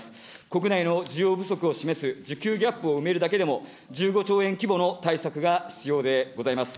国内の需要不足を示す需給ギャップを埋めるだけでも１５兆円規模の対策が必要でございます。